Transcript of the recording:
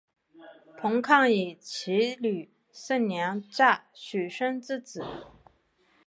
彭抗以其女胜娘嫁许逊之子。